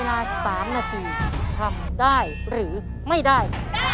ได้ได้ได้